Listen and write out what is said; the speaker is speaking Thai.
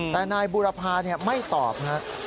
แต่นายบุรพาไม่ตอบครับ